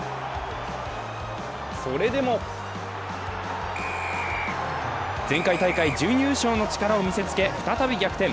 それでも前回大会準優勝の力を見せつけ再び逆転。